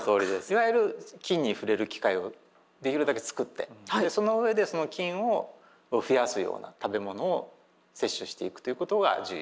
いわゆる菌に触れる機会をできるだけ作ってその上でその菌を増やすような食べものを摂取していくということが重要。